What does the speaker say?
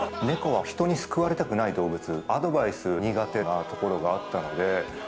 猫は人に救われたくない動物アドバイス苦手なところがあったので。